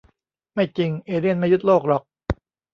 ไม่จริง เอเลี่ยนไม่ยึดโลกหรอก